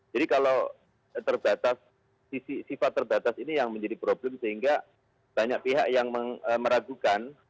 jadi kalau terbatas sifat terbatas ini yang menjadi problem sehingga banyak pihak yang meragukan